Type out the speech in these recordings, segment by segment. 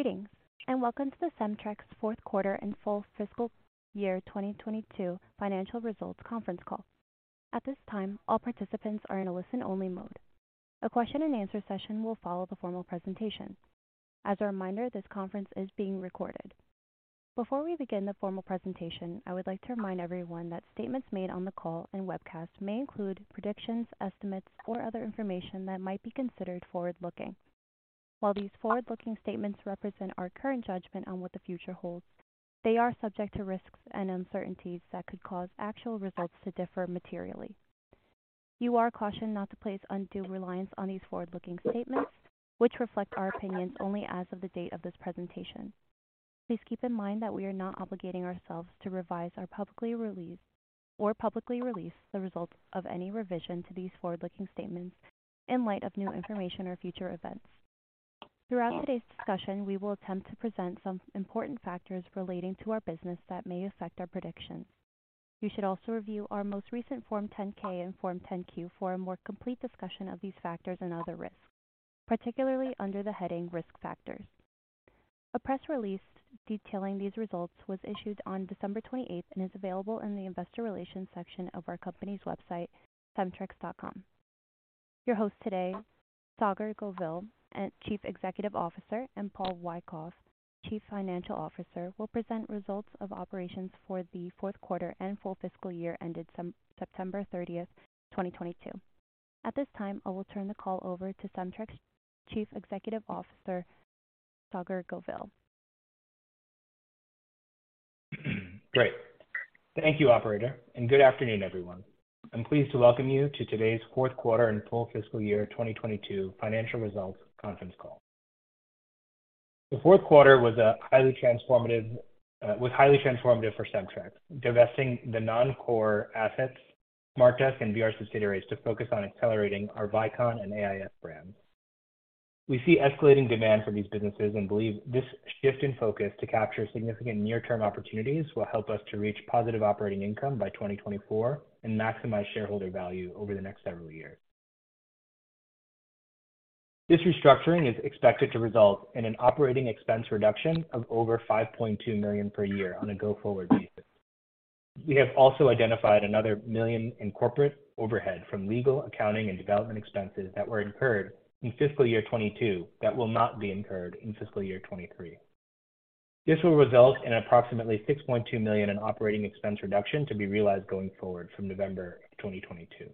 Greetings, and welcome to the Cemtrex fourth quarter and full fiscal year 2022 financial results conference call. At this time, all participants are in a listen-only mode. A question-and-answer session will follow the formal presentation. As a reminder, this conference is being recorded. Before we begin the formal presentation, I would like to remind everyone that statements made on the call and webcast may include predictions, estimates, or other information that might be considered forward-looking. While these forward-looking statements represent our current judgment on what the future holds, they are subject to risks and uncertainties that could cause actual results to differ materially. You are cautioned not to place undue reliance on these forward-looking statements, which reflect our opinions only as of the date of this presentation. Please keep in mind that we are not obligating ourselves to revise or publicly release the results of any revision to these forward-looking statements in light of new information or future events. Throughout today's discussion, we will attempt to present some important factors relating to our business that may affect our predictions. You should also review our most recent Form 10-K and Form 10-Q for a more complete discussion of these factors and other risks, particularly under the heading Risk Factors. A press release detailing these results was issued on December 28th and is available in the investor relations section of our company's website, cemtrex.com. Your host today, Saagar Govil, Chief Executive Officer, and Paul Wyckoff, Chief Financial Officer, will present results of operations for the fourth quarter and full fiscal year ended September 30th, 2022. At this time, I will turn the call over to Cemtrex Chief Executive Officer, Saagar Govil. Great. Thank you, operator, good afternoon, everyone. I'm pleased to welcome you to today's fourth quarter and full fiscal year 2022 financial results conference call. The fourth quarter was highly transformative for Cemtrex, divesting the non-core assets, MarketDesk and VR subsidiaries, to focus on accelerating our Vicon and AIS brands. We see escalating demand for these businesses and believe this shift in focus to capture significant near-term opportunities will help us to reach positive operating income by 2024 and maximize shareholder value over the next several years. This restructuring is expected to result in an operating expense reduction of over $5.2 million per year on a go-forward basis. We have also identified another $1 million in corporate overhead from legal, accounting, and development expenses that were incurred in fiscal year 2022 that will not be incurred in fiscal year 2023. This will result in approximately $6.2 million in operating expense reduction to be realized going forward from November of 2022.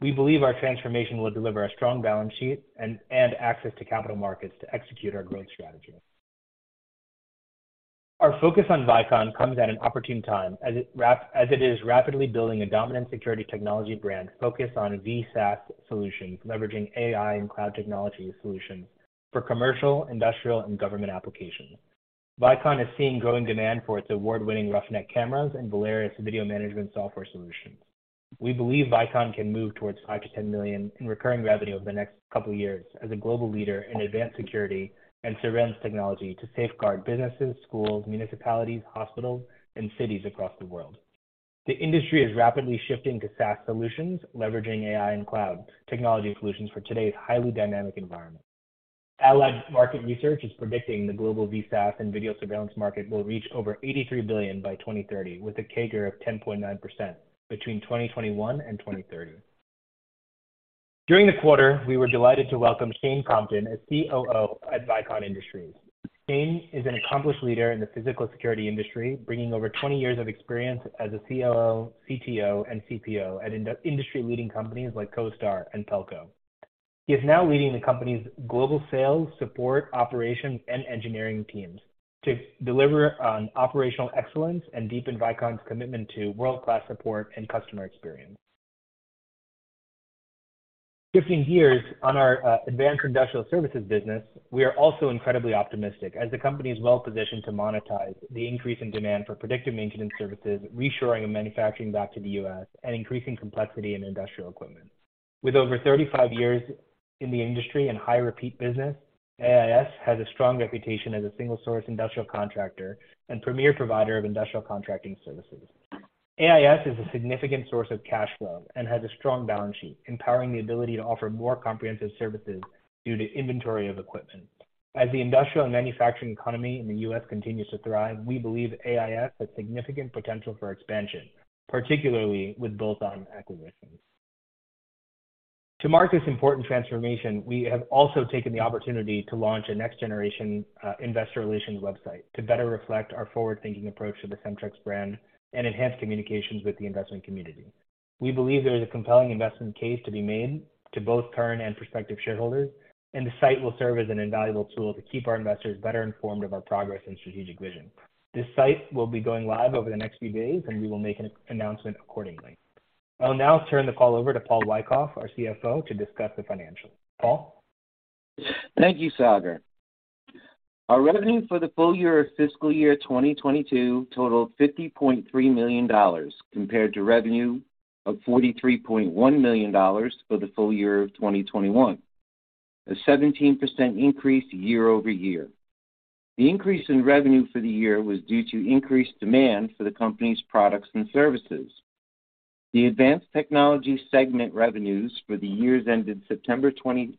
We believe our transformation will deliver a strong balance sheet and access to capital markets to execute our growth strategy. Our focus on Vicon comes at an opportune time as it is rapidly building a dominant security technology brand focused on VSaaS solutions, leveraging AI and cloud technology solutions for commercial, industrial, and government applications. Vicon is seeing growing demand for its award-winning Roughneck cameras and Valerus video management software solutions. We believe Vicon can move towards $5 million-$10 million in recurring revenue over the next couple of years as a global leader in advanced security and surveillance technology to safeguard businesses, schools, municipalities, hospitals, and cities across the world. The industry is rapidly shifting to SaaS solutions, leveraging AI and cloud technology solutions for today's highly dynamic environment. Allied Market Research is predicting the global VSaaS and video surveillance market will reach over $83 billion by 2030, with a CAGR of 10.9% between 2021 and 2030. During the quarter, we were delighted to welcome Shane Compton as COO at Vicon Industries. Shane is an accomplished leader in the physical security industry, bringing over 20 years of experience as a COO, CTO, and CPO at industry-leading companies like Costar and Pelco. He is now leading the company's global sales, support, operations, and engineering teams to deliver on operational excellence and deepen Vicon's commitment to world-class support and customer experience. 15 years on our Advanced Industrial Services business, we are also incredibly optimistic as the company is well positioned to monetize the increase in demand for predictive maintenance services, reshoring and manufacturing back to the U.S., and increasing complexity in industrial equipment. With over 35 years in the industry and high repeat business, AIS has a strong reputation as a single source industrial contractor and premier provider of industrial contracting services. AIS is a significant source of cash flow and has a strong balance sheet, empowering the ability to offer more comprehensive services due to inventory of equipment. As the industrial and manufacturing economy in the U.S. continues to thrive, we believe AIS has significant potential for expansion, particularly with bolt-on acquisitions. To mark this important transformation, we have also taken the opportunity to launch a next generation, investor relations website to better reflect our forward-thinking approach to the Cemtrex brand and enhance communications with the investment community. We believe there is a compelling investment case to be made to both current and prospective shareholders, and the site will serve as an invaluable tool to keep our investors better informed of our progress and strategic vision. This site will be going live over the next few days, and we will make an announcement accordingly. I'll now turn the call over to Paul Wyckoff, our CFO, to discuss the financials. Paul. Thank you, Saagar. Our revenue for the full year of fiscal year 2022 totaled $50.3 million compared to revenue of $43.1 million for the full year of 2021, a 17% increase year-over-year. The increase in revenue for the year was due to increased demand for the company's products and services. The advanced technology segment revenues for the years ended September 30th,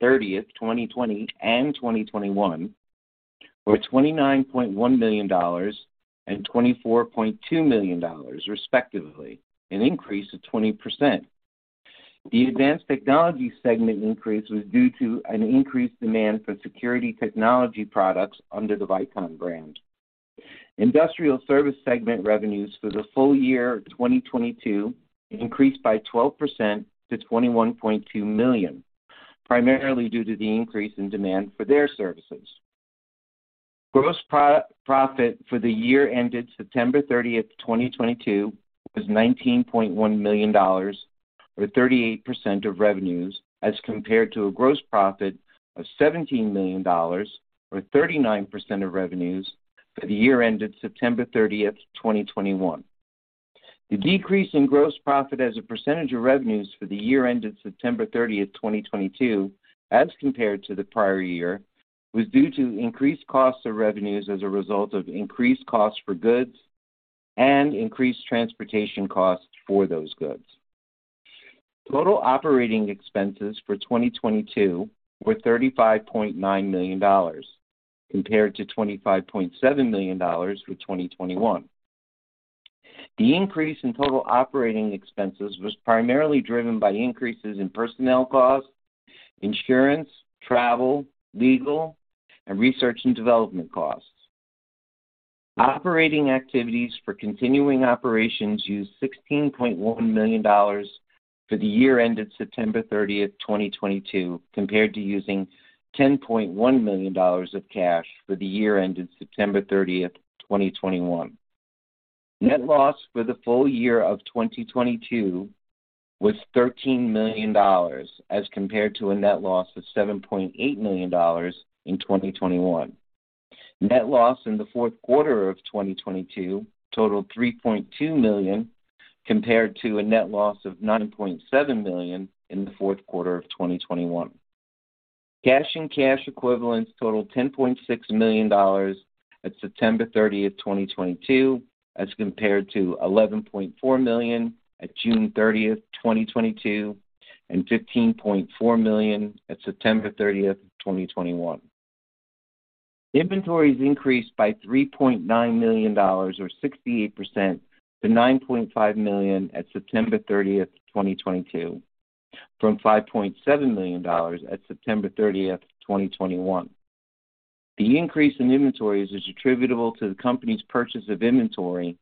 2020 and 2021 were $29.1 million and $24.2 million respectively, an increase of 20%. The advanced technology segment increase was due to an increased demand for security technology products under the Vicon brand. Industrial service segment revenues for the full year 2022 increased by 12% to $21.2 million, primarily due to the increase in demand for their services. Gross profit for the year ended September 30th, 2022 was $19.1 million, or 38% of revenues, as compared to a gross profit of $17 million or 39% of revenues for the year ended September 30th, 2021. The decrease in gross profit as a percentage of revenues for the year ended September 30th, 2022, as compared to the prior year, was due to increased costs of revenues as a result of increased costs for goods and increased transportation costs for those goods. Total operating expenses for 2022 were $35.9 million compared to $25.7 million for 2021. The increase in total operating expenses was primarily driven by increases in personnel costs, insurance, travel, legal, and research and development costs. Operating activities for continuing operations used $16.1 million for the year ended September 30th, 2022, compared to using $10.1 million of cash for the year ended September 30th, 2021. Net loss for the full year of 2022 was $13 million, as compared to a net loss of $7.8 million in 2021. Net loss in the fourth quarter of 2022 totaled $3.2 million, compared to a net loss of $9.7 million in the fourth quarter of 2021. Cash and cash equivalents totaled $10.6 million at September 30th, 2022, as compared to $11.4 million at June 30th, 2022, and $15.4 million at September 30th, 2021. Inventories increased by $3.9 million or 68% to $9.5 million at September 30th, 2022, from $5.7 million at September 30th, 2021. The increase in inventories is attributable to the company's purchase of inventory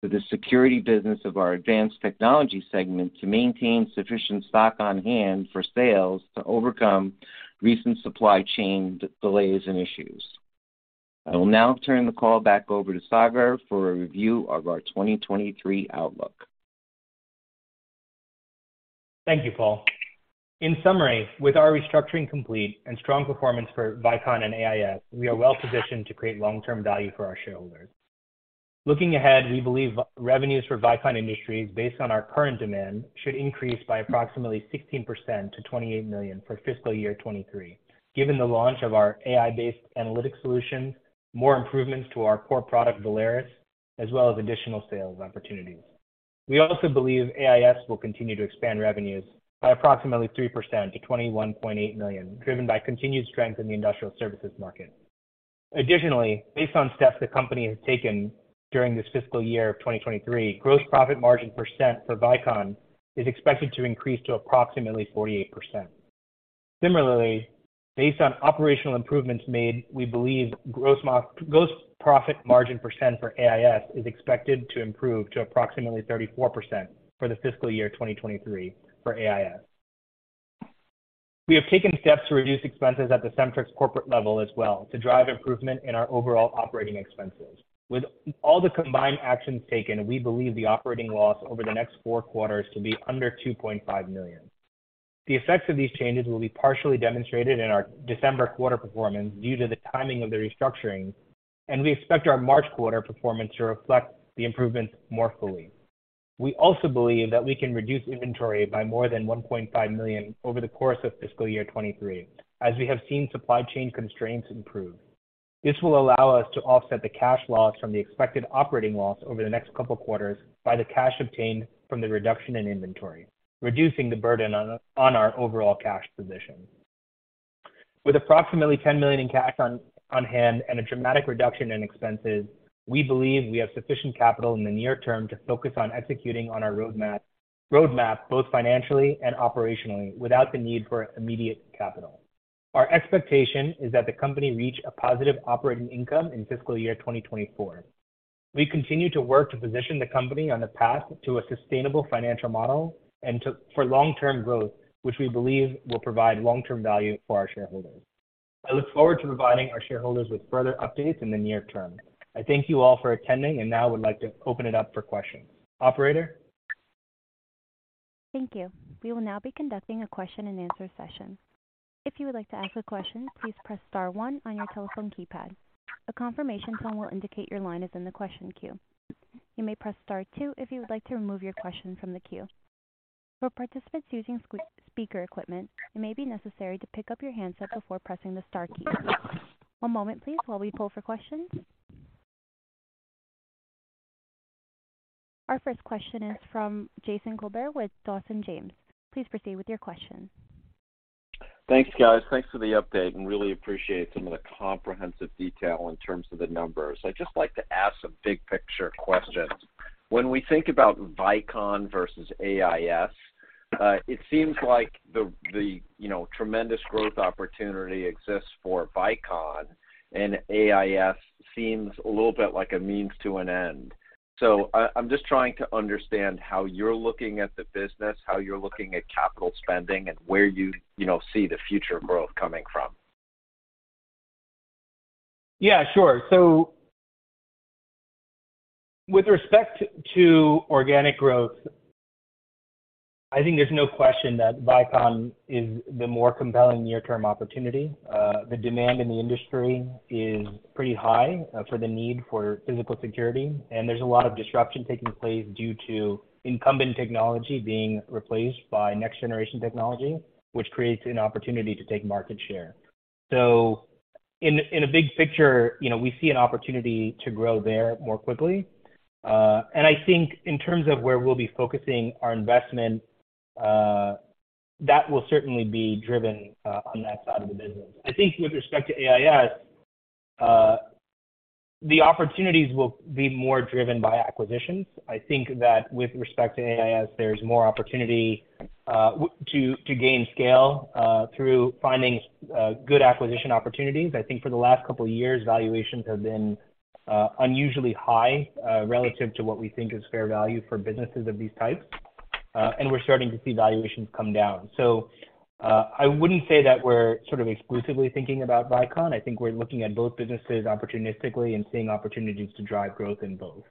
for the security business of our advanced technology segment to maintain sufficient stock on hand for sales to overcome recent supply chain delays and issues. I will now turn the call back over to Saagar for a review of our 2023 outlook. Thank you, Paul. In summary, with our restructuring complete and strong performance for Vicon and AIS, we are well-positioned to create long-term value for our shareholders. Looking ahead, we believe revenues for Vicon Industries based on our current demand should increase by approximately 16% to $28 million for fiscal year 2023. Given the launch of our AI-based analytics solutions, more improvements to our core product, Valerus, as well as additional sales opportunities. We also believe AIS will continue to expand revenues by approximately 3% to $21.8 million, driven by continued strength in the industrial services market. Based on steps the company has taken during this fiscal year of 2023, gross profit margin % for Vicon is expected to increase to approximately 48%. Similarly, based on operational improvements made, we believe gross profit margin percent for AIS is expected to improve to approximately 34% for the fiscal year 2023 for AIS. We have taken steps to reduce expenses at the Cemtrex corporate level as well to drive improvement in our overall operating expenses. With all the combined actions taken, we believe the operating loss over the next four quarters to be under $2.5 million. The effects of these changes will be partially demonstrated in our December quarter performance due to the timing of the restructuring, and we expect our March quarter performance to reflect the improvements more fully. We also believe that we can reduce inventory by more than $1.5 million over the course of fiscal year 2023, as we have seen supply chain constraints improve. This will allow us to offset the cash loss from the expected operating loss over the next couple quarters by the cash obtained from the reduction in inventory, reducing the burden on our overall cash position. With approximately $10 million in cash on hand and a dramatic reduction in expenses, we believe we have sufficient capital in the near term to focus on executing on our roadmap both financially and operationally, without the need for immediate capital. Our expectation is that the company reach a positive operating income in fiscal year 2024. We continue to work to position the company on a path to a sustainable financial model for long-term growth, which we believe will provide long-term value for our shareholders. I look forward to providing our shareholders with further updates in the near term. I thank you all for attending and now would like to open it up for questions. Operator? Thank you. We will now be conducting a question and answer session. If you would like to ask a question, please press star 1 on your telephone keypad. A confirmation tone will indicate your line is in the question queue. You may press star 2 if you would like to remove your question from the queue. For participants using speaker equipment, it may be necessary to pick up your handset before pressing the star key. One moment please while we pull for questions. Our first question is from Jason Kolbert with Dawson James. Please proceed with your question. Thanks, guys. Thanks for the update and really appreciate some of the comprehensive detail in terms of the numbers. I'd just like to ask some big picture questions. When we think about Vicon versus AIS, it seems like the, you know, tremendous growth opportunity exists for Vicon and AIS seems a little bit like a means to an end. I'm just trying to understand how you're looking at the business, how you're looking at capital spending and where you know, see the future growth coming from? Yeah, sure. With respect to organic growth, I think there's no question that Vicon is the more compelling near-term opportunity. The demand in the industry is pretty high for the need for physical security, and there's a lot of disruption taking place due to incumbent technology being replaced by next generation technology, which creates an opportunity to take market share. In, in a big picture, you know, we see an opportunity to grow there more quickly. I think in terms of where we'll be focusing our investment, that will certainly be driven on that side of the business. I think with respect to AIS, the opportunities will be more driven by acquisitions. I think that with respect to AIS, there's more opportunity to gain scale through finding good acquisition opportunities. I think for the last couple of years, valuations have been unusually high, relative to what we think is fair value for businesses of these types, and we're starting to see valuations come down. I wouldn't say that we're sort of exclusively thinking about Vicon. I think we're looking at both businesses opportunistically and seeing opportunities to drive growth in both.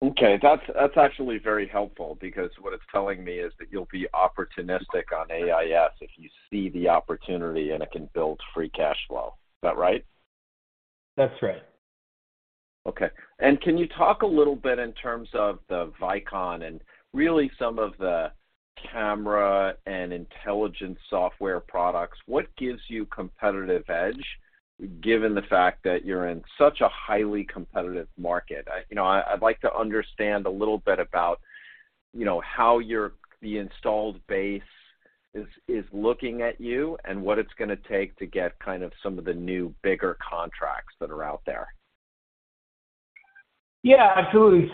Okay, that's actually very helpful because what it's telling me is that you'll be opportunistic on AIS if you see the opportunity and it can build free cash flow. Is that right? That's right. Okay. Can you talk a little bit in terms of the Vicon and really some of the camera and intelligence software products, what gives you competitive edge given the fact that you're in such a highly competitive market? I, you know, I'd like to understand a little bit about, you know, how the installed base is looking at you and what it's gonna take to get kind of some of the new, bigger contracts that are out there. Absolutely.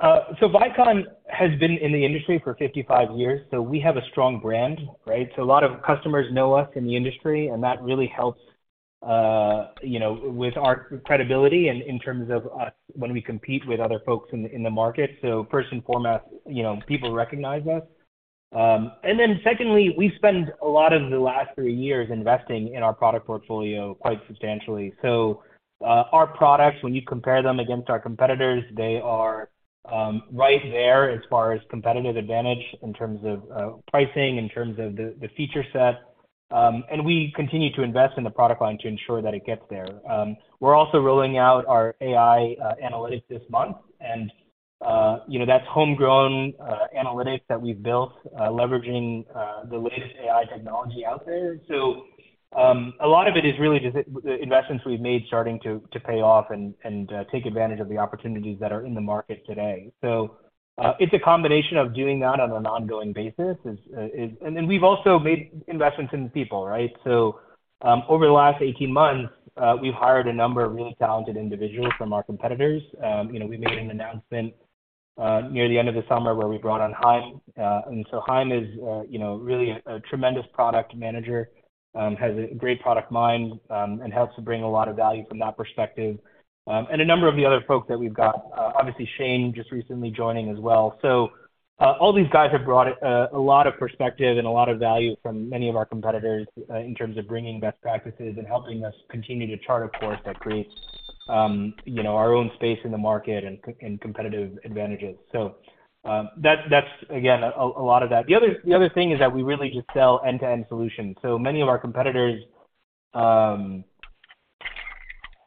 Vicon has been in the industry for 55 years, so we have a strong brand, right? A lot of customers know us in the industry, and that really helps, you know, with our credibility and in terms of us when we compete with other folks in the market. First and foremost, you know, people recognize us. Secondly, we spend a lot of the last 3 years investing in our product portfolio quite substantially. Our products, when you compare them against our competitors, they are right there as far as competitive advantage in terms of pricing, in terms of the feature set. We continue to invest in the product line to ensure that it gets there. We're also rolling out our AI analytics this month. You know, that's homegrown analytics that we've built leveraging the latest AI technology out there. A lot of it is really just the investments we've made starting to pay off and take advantage of the opportunities that are in the market today. It's a combination of doing that on an ongoing basis. Is and then we've also made investments in people, right? Over the last 18 months, we've hired a number of really talented individuals from our competitors. You know, we made an announcement near the end of the summer where we brought on Haim. Haim is, you know, really a tremendous product manager, has a great product mind, and helps to bring a lot of value from that perspective. A number of the other folks that we've got, obviously Shane just recently joining as well. All these guys have brought a lot of perspective and a lot of value from many of our competitors, in terms of bringing best practices and helping us continue to chart a course that creates, you know, our own space in the market and competitive advantages. That's, that's again, a lot of that. The other, the other thing is that we really just sell end-to-end solutions. Many of our competitors,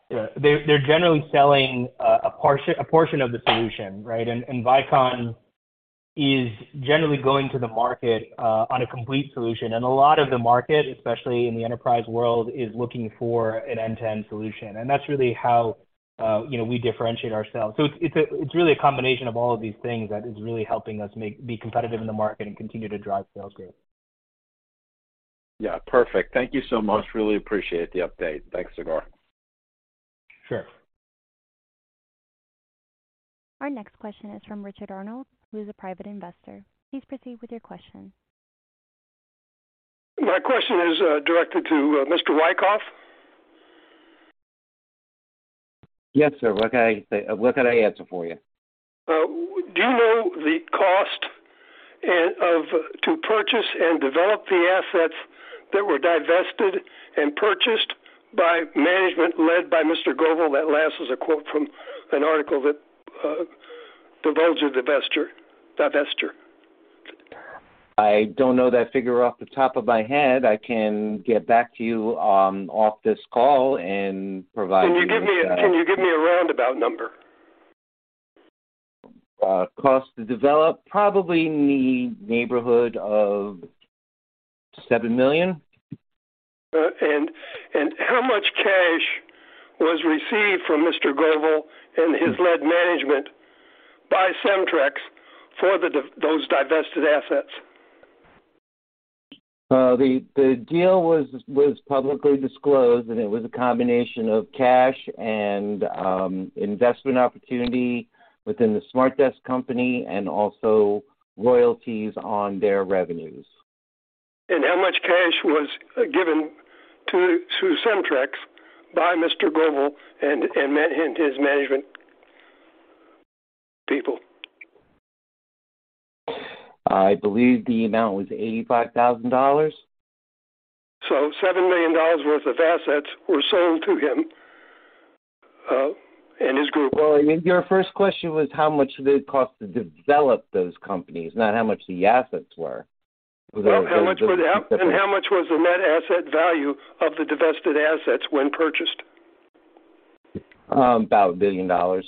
they're generally selling a portion of the solution, right? Vicon is generally going to the market on a complete solution. A lot of the market, especially in the enterprise world, is looking for an end-to-end solution. That's really how, you know, we differentiate ourselves. It's really a combination of all of these things that is really helping us be competitive in the market and continue to drive sales growth. Yeah, perfect. Thank you so much. Really appreciate the update. Thanks again. Sure. Our next question is from Richard Arnold, who is a private investor. Please proceed with your question. My question is, directed to, Mr. Wyckoff. Yes, sir. What can I answer for you? Do you know the cost and to purchase and develop the assets that were divested and purchased by management led by Mr. Govil? That last was a quote from an article that divulged your divesture. I don't know that figure off the top of my head. I can get back to you, off this call and provide you with. Can you give me a roundabout number? Cost to develop probably in the neighborhood of $7 million. How much cash was received from Saagar Govil and his led management by Cemtrex for those divested assets? The deal was publicly disclosed. It was a combination of cash and investment opportunity within the SmartDesk company and also royalties on their revenues. How much cash was given to Cemtrex by Mr. Govil and his management people? I believe the amount was $85,000. $7 million worth of assets were sold to him, and his group. Well, I mean, your first question was how much did it cost to develop those companies, not how much the assets were. Those are 2 different. Well, how much was the net asset value of the divested assets when purchased? About $1 billion. For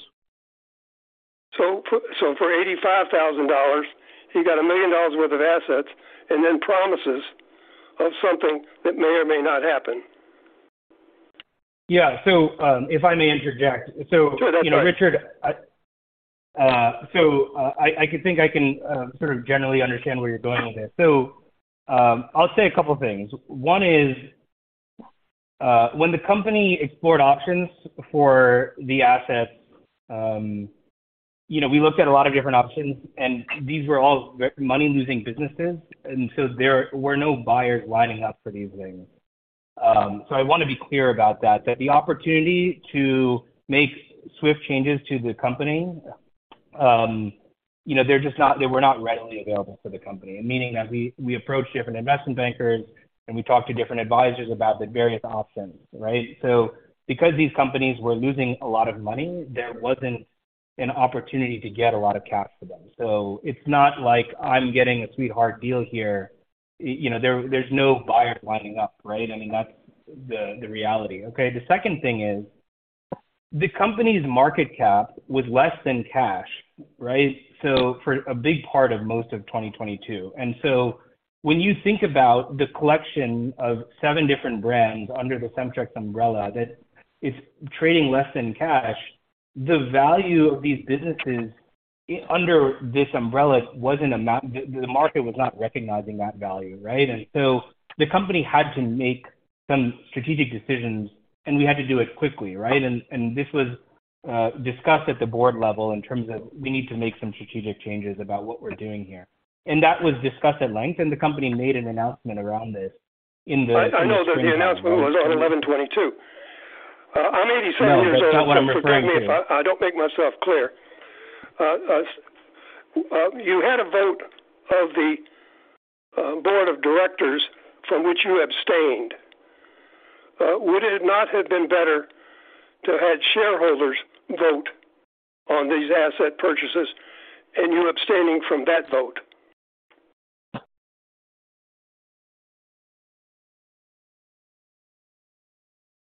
$85,000, he got $1 million worth of assets and then promises of something that may or may not happen. If I may interject. Sure, that's all right. You know, Richard, I... I think I can sort of generally understand where you're going with this. I'll say a couple of things. One is, when the company explored options for the assets, you know, we looked at a lot of different options, and these were all money-losing businesses, and so there were no buyers lining up for these things. I wanna be clear about that the opportunity to make swift changes to the company, you know, they were not readily available for the company. Meaning that we approached different investment bankers, and we talked to different advisors about the various options, right? Because these companies were losing a lot of money, there wasn't an opportunity to get a lot of cash for them. It's not like I'm getting a sweetheart deal here. You know, there's no buyers lining up, right? I mean, that's the reality. Okay. The second thing is the company's market cap was less than cash, right? For a big part of most of 2022. When you think about the collection of 7 different brands under the Cemtrex umbrella, that is trading less than cash, the value of these businesses under this umbrella the market was not recognizing that value, right? The company had to make some strategic decisions, and we had to do it quickly, right? This was discussed at the board level in terms of we need to make some strategic changes about what we're doing here. That was discussed at length, and the company made an announcement around this in the spring of 2022. I know that the announcement was on 11/22. I'm 87 years old. No, that's not what I'm referring to. Forgive me if I don't make myself clear. You had a vote of the board of directors from which you abstained. Would it not have been better to have shareholders vote on these asset purchases and you abstaining from that vote?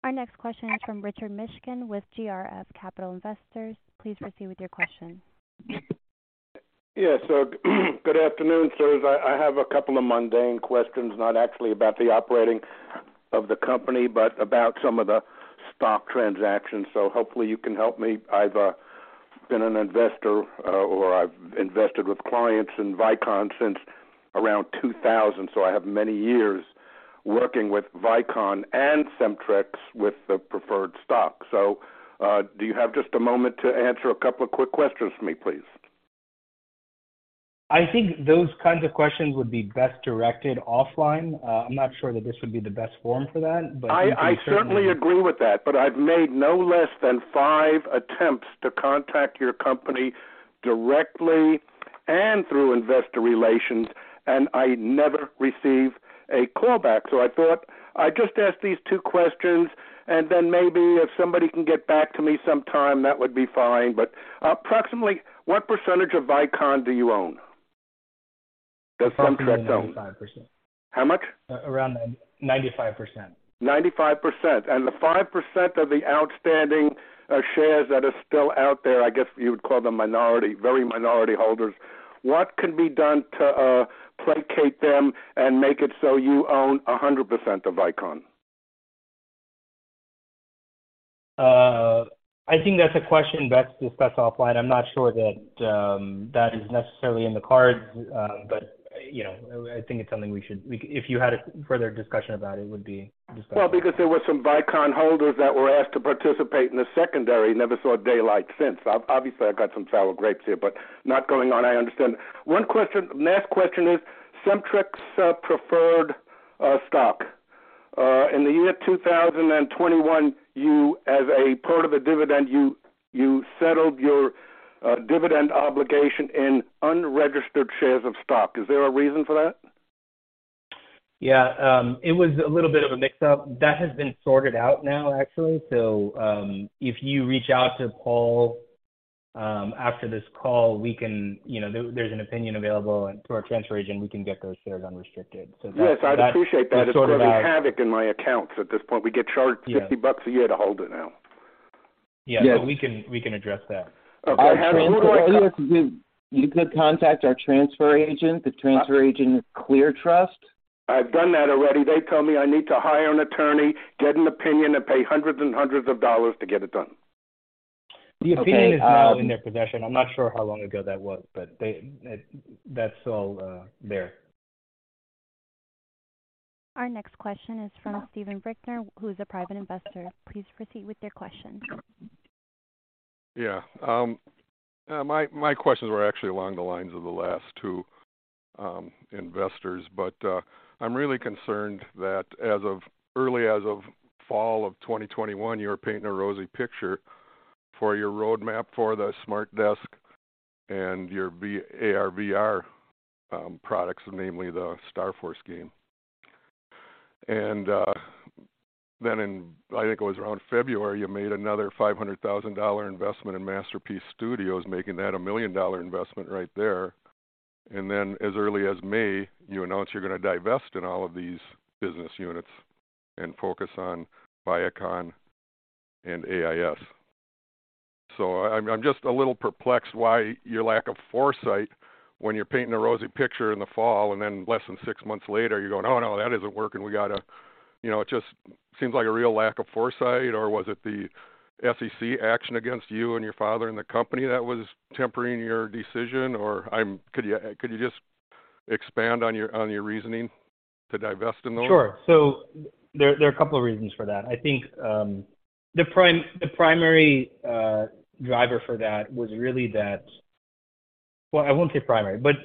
Our next question is from Richard Mishkin with GRF Capital Investors. Please proceed with your question. Yeah. Good afternoon, Saagar. I have a couple of mundane questions, not actually about the operating of the company, but about some of the stock transactions. Hopefully you can help me. I've been an investor, or I've invested with clients in Vicon since around 2000, so I have many years working with Vicon and Cemtrex with the preferred stock. Do you have just a moment to answer a couple of quick questions for me, please? I think those kinds of questions would be best directed offline. I'm not sure that this would be the best forum for that. I certainly agree with that, I've made no less than five attempts to contact your company directly and through investor relations, and I never receive a call back. I thought I'd just ask these 2 questions, and then maybe if somebody can get back to me sometime, that would be fine. Approximately what % of Vicon do you own? Does Cemtrex own? Around 95%. How much? Around 95%. 95%. The 5% of the outstanding shares that are still out there, I guess you would call them minority, very minority holders. What can be done to placate them and make it so you own 100% of Vicon? I think that's a question best discussed offline. I'm not sure that that is necessarily in the cards. You know, I think it's something we if you had a further discussion about it would be discussed. Because there were some Vicon holders that were asked to participate in the secondary, never saw daylight since. Obviously, I've got some sour grapes here, not going on, I understand. Next question is Cemtrex preferred stock. In the year 2021, you as a part of a dividend, you settled your dividend obligation in unregistered shares of stock. Is there a reason for that? it was a little bit of a mix-up. That has been sorted out now actually. if you reach out to Paul, after this call, we can, you know, there's an opinion available and to our transfer agent, we can get those shares unrestricted. that. Yes, I'd appreciate that. that- It's sort of havoc in my accounts at this point. We get charged- Yeah. $50 a year to hold it now. Yeah. Yeah. We can address that. Okay. You could contact our transfer agent. The transfer agent is ClearTrust, LLC. I've done that already. They tell me I need to hire an attorney, get an opinion, and pay hundreds and hundreds of dollars to get it done. The opinion is now in their possession. I'm not sure how long ago that was. That's all there. Our next question is from Steven Brickner, who's a private investor. Please proceed with your question. Yeah. my questions were actually along the lines of the last 2 investors, but I'm really concerned that as of early as of fall of 2021, you were painting a rosy picture for your roadmap for the SmartDesk and your AR/VR products, namely the StarForce game. Then in, I think it was around February, you made another $500,000 investment in Masterpiece Studio, making that a $1 million investment right there. Then as early as May, you announced you're gonna divest in all of these business units and focus on Vicon and AIS. I'm just a little perplexed why your lack of foresight when you're painting a rosy picture in the fall and then less than six months later, you're going, "Oh, no, that isn't working. You know, it just seems like a real lack of foresight. Was it the SEC action against you and your father in the company that was tempering your decision? Could you just expand on your reasoning to divest in those? Sure. There are a couple of reasons for that. I think, the primary driver for that was really that. Well, I won't say primary, but.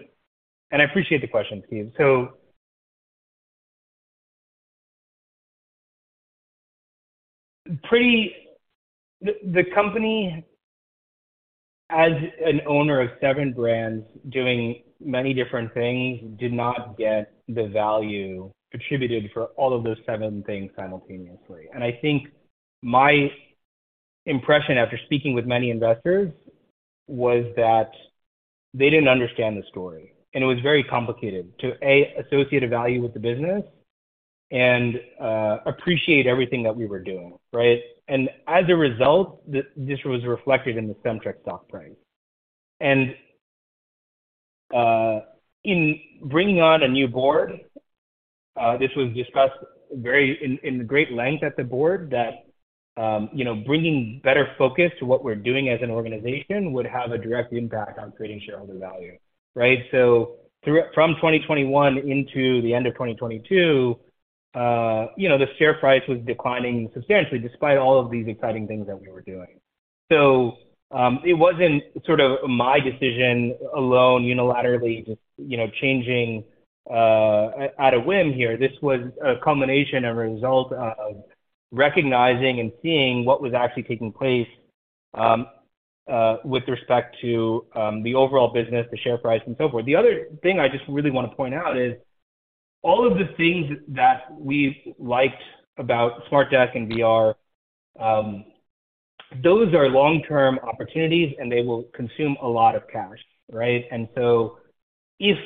I appreciate the question, Steve. The company as an owner of seven brands doing many different things did not get the value contributed for all of those seven things simultaneously. I think my impression after speaking with many investors was that they didn't understand the story, and it was very complicated to, A, associate a value with the business and, appreciate everything that we were doing, right? As a result, this was reflected in the Cemtrex stock price. In bringing on a new board, this was discussed in great length at the board that, you know, bringing better focus to what we're doing as an organization would have a direct impact on creating shareholder value, right? From 2021 into the end of 2022, you know, the share price was declining substantially despite all of these exciting things that we were doing. It wasn't sort of my decision alone unilaterally just, you know, changing at a whim here. This was a culmination, a result of recognizing and seeing what was actually taking place with respect to the overall business, the share price, and so forth. The other thing I just really wanna point out is all of the things that we liked about SmartDesk and VR, those are long-term opportunities, and they will consume a lot of cash, right? If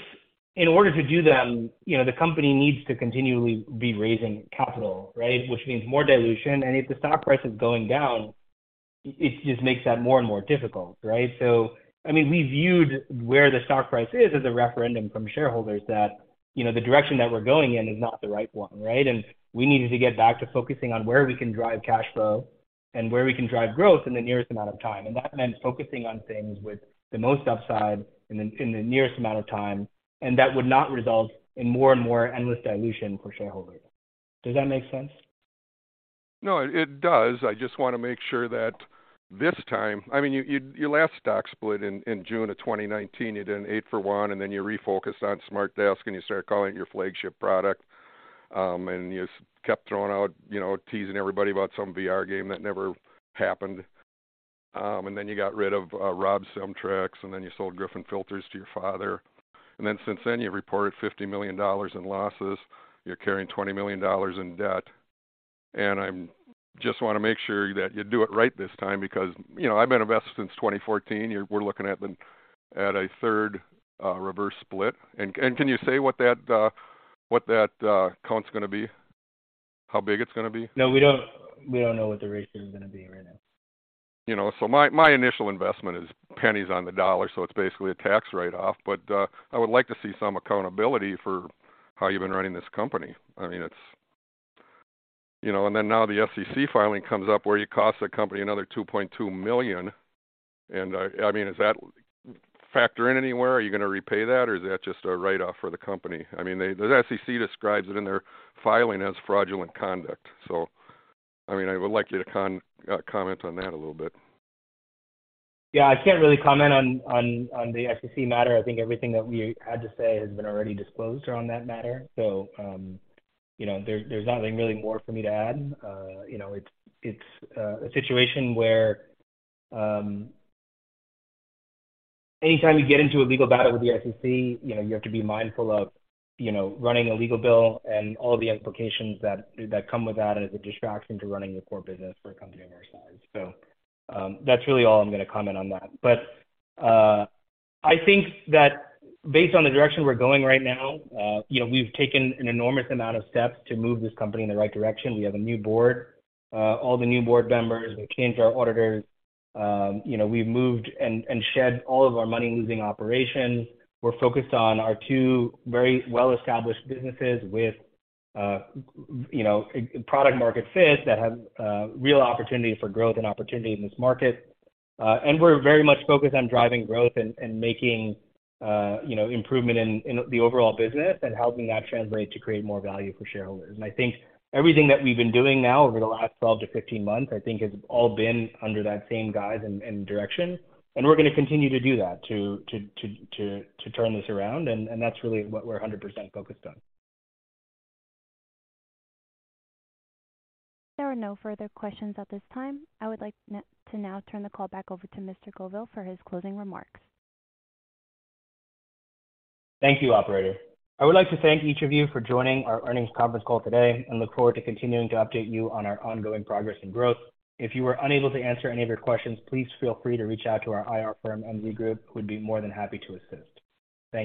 in order to do them, you know, the company needs to continually be raising capital, right? Which means more dilution. If the stock price is going down, it just makes that more and more difficult, right? I mean, we viewed where the stock price is as a referendum from shareholders that, you know, the direction that we're going in is not the right one, right? We needed to get back to focusing on where we can drive cash flow and where we can drive growth in the nearest amount of time. That meant focusing on things with the most upside in the, in the nearest amount of time, and that would not result in more and more endless dilution for shareholders. Does that make sense? No, it does. I just wanna make sure that this time. I mean, your last stock split in June of 2019, you did an 8 for 1, then you refocused on SmartDesk, you started calling it your flagship product. you kept throwing out, you know, teasing everybody about some VR game that never happened. Then you got rid of ROB Group, then you sold Griffin Filters to your father. Since then, you've reported $50 million in losses. You're carrying $20 million in debt. I just wanna make sure that you do it right this time because, you know, I've been invested since 2014. We're looking at a third reverse split. Can you say what that count's gonna be? How big it's gonna be? No, we don't, we don't know what the ratio is gonna be right now. You know, my initial investment is pennies on the dollar, so it's basically a tax write-off. I would like to see some accountability for how you've been running this company. I mean, it's, you know. Then now the SEC filing comes up where you cost the company another $2.2 million. I mean, is that factoring anywhere? Are you gonna repay that, or is that just a write-off for the company? I mean, The SEC describes it in their filing as fraudulent conduct. I mean, I would like you to comment on that a little bit. Yeah, I can't really comment on the SEC matter. I think everything that we had to say has been already disclosed around that matter. You know, there's nothing really more for me to add. You know, it's a situation where, anytime you get into a legal battle with the SEC, you know, you have to be mindful of, you know, running a legal bill and all the implications that come with that as a distraction to running the core business for a company of our size. That's really all I'm gonna comment on that. I think that based on the direction we're going right now, you know, we've taken an enormous amount of steps to move this company in the right direction. We have a new board. All the new board members. We changed our auditors. You know, we've moved and shed all of our money-losing operations. We're focused on our 2 very well-established businesses with, you know, product market fit that have real opportunity for growth and opportunity in this market. We're very much focused on driving growth and making, you know, improvement in the overall business and helping that translate to create more value for shareholders. I think everything that we've been doing now over the last 12 to 15 months, I think has all been under that same guise and direction. We're gonna continue to do that to turn this around, and that's really what we're 100% focused on. There are no further questions at this time. I would like to now turn the call back over to Mr. Govil for his closing remarks. Thank you, operator. I would like to thank each of you for joining our earnings conference call today and look forward to continuing to update you on our ongoing progress and growth. If you were unable to answer any of your questions, please feel free to reach out to our IR firm, MZ Group, who would be more than happy to assist.